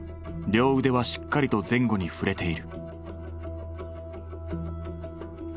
両腕はしっかりと前後に振れている。